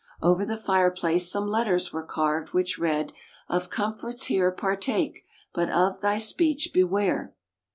Over the fire place some letters were carved, which read, "Of comforts here, partake; but of thy speech beware!